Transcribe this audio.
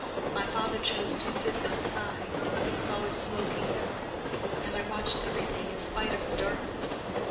My father chose to sit outside—he was always smoking now—and I watched everything in spite of the darkness.